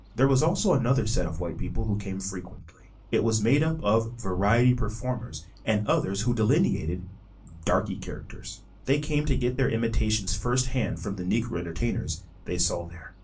There was also another set of white people who came frequently; it was made up of variety performers and others who delineated "darky characters"; they came to get their imitations first hand from the Negro entertainers they saw there.